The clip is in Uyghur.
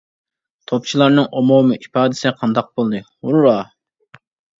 توپچىلارنىڭ ئومۇمى ئىپادىسى قانداق بولدى؟ ھۇررا!